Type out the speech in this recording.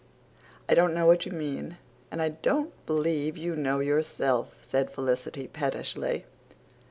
"I don't know what you mean, and I don't believe you know yourself," said Felicity pettishly.